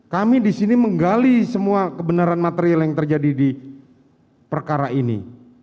kami di sini menggali semua kebenaran material yang terjadi di perkara ini